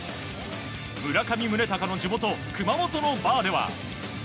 村上宗隆の地元・熊本のバーでは。